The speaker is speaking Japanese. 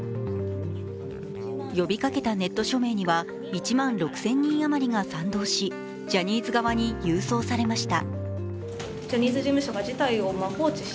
呼びかけたネット署名には１万６０００人余りが賛同し、ジャニーズ側に郵送されました。